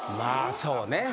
そうね。